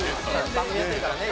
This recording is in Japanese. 番組やってるからね。